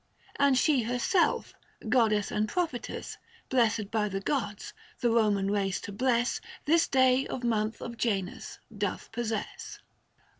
And she herself, Goddess and Prophetess, Blessed by the gods, the Koman race to bless This day of month of Janus, doth possess.